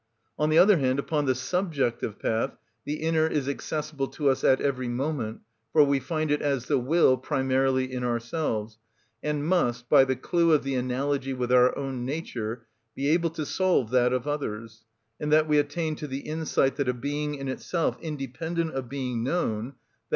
On the other hand, upon the subjective path the inner is accessible to us at every moment; for we find it as the will primarily in ourselves, and must, by the clue of the analogy with our own nature, be able to solve that of others, in that we attain to the insight that a being in itself independent of being known, _i.